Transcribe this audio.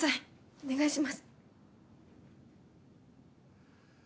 お願いします。